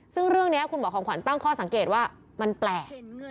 ซึ่งเรื่องนี้คุณหมอของขวัญตั้งข้อสังเกตว่ามันแปลก